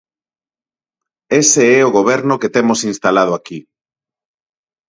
Ese é o Goberno que temos instalado aquí.